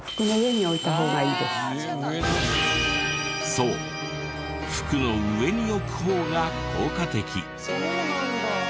そう服の上に置く方が効果的。